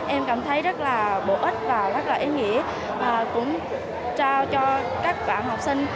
em cảm thấy rất là bổ ích và rất là ý nghĩa và cũng trao cho các bạn học sinh